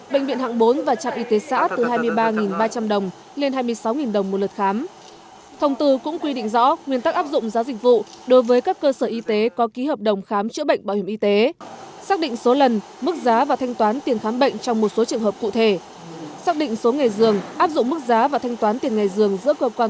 bệnh viện hạng bốn và trạm y tế xã từ hai mươi ba ba trăm linh đồng lên hai mươi sáu đồng một lượt khám